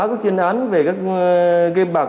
có chuyên án về các game bạc